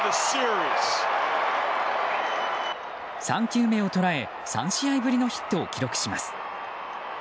３球目を捉え３試合ぶりのヒットを記録します。